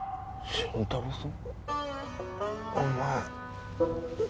新太郎さん！